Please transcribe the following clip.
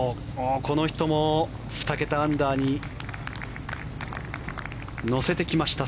この人も２桁アンダーに乗せてきました。